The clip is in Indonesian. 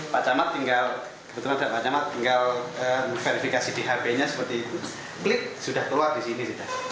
pak camat tinggal kebetulan ada pak camat tinggal verifikasi di hp nya seperti itu klik sudah keluar di sini